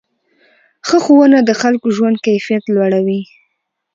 ښه ښوونه د خلکو ژوند کیفیت لوړوي.